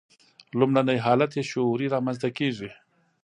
لومړنی حالت یې شعوري رامنځته کېږي.